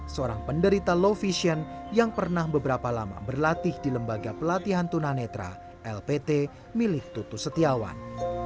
seorang penderita low vision yang pernah beberapa lama berlatih di lembaga pelatihan tunanetra lpt milik tutus setiawan